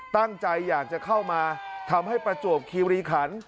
ตั้งใจอยากจะเข้ามาทำให้ประจวบคีรีขัน